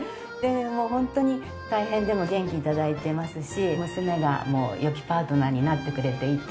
もう本当に大変でも元気頂いてますし娘がよきパートナーになってくれていて。